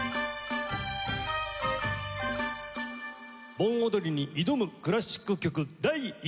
盆踊りに挑むクラシック曲第１曲目は。